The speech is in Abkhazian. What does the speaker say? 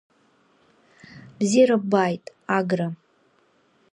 Бзиара ббааит, Агра.